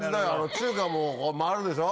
中華もこう回るでしょ？